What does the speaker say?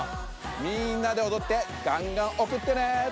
みんなでおどってがんがんおくってね！